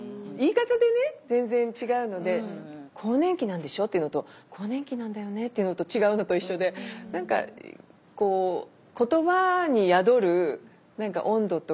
言い方でね全然違うので「更年期なんでしょ？」っていうのと「更年期なんだよね」っていうのと違うのと一緒で何かこう言葉に宿る温度とか。